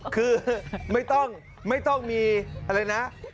คือไม่ต้องไม่ต้องมีอะไรนะ